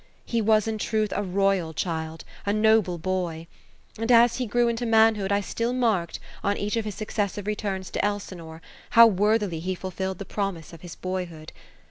He was in truth a royal child — a noble boy ! And as he grew into manhood I still marked, on each '>f his successive returns to Elsi nore, how worthily he fulfilled the promise of his boyhood.